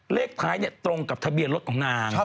เลขท้ายตรงกับทะเบียนรถของนาง